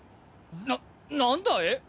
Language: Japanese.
ななんだい？